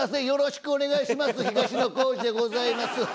よろしくお願いします